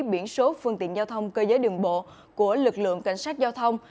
biển số phương tiện giao thông cơ giới đường bộ của lực lượng cảnh sát giao thông